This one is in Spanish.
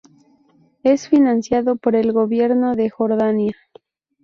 Es financiado por el gobierno de Jordania.